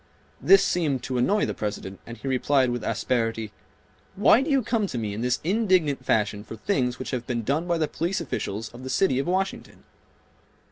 This seemed to annoy the President and he replied with asperity, "Why do you come to me in this indignant fashion for things which have been done by the police officials of the city of Washington?"